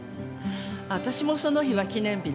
私もその日は記念日なんですよ。